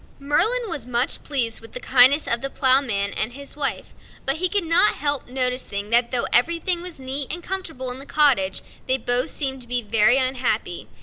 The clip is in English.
Merlin was much pleased with the kindness of the Ploughman and his wife; but he could not help noticing that though everything was neat and comfortable in the cottage, they both seemed to be very unhappy.